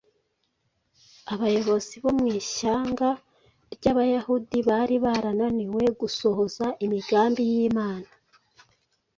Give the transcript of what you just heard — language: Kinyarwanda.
Abayobozi bo mu ishyanga ry’Abayahudi bari barananiwe gusohoza imigambi yImana